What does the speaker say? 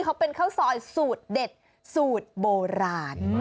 เขาเป็นข้าวซอยสูตรเด็ดสูตรโบราณ